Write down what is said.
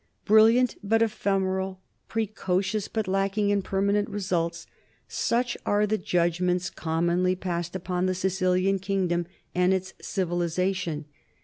Brilliant but ephemeral, precocious but lacking in permanent results such are the judgments com monly passed upon the Sicilian kingdom and its civili zation.